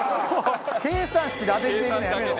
計算式で当てていくのやめろ。